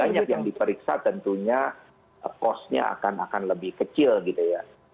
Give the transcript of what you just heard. banyak yang diperiksa tentunya kosnya akan lebih kecil gitu ya